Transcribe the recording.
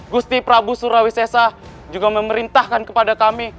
gusti prabu surawis sesa juga memerintahkan kepada kami